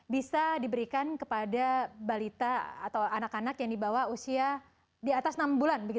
bisa diberikan kepada balita atau anak anak yang dibawa usia di atas enam bulan